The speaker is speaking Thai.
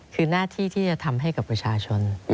คือหน้าที่ที่จะทำให้กับประชาชน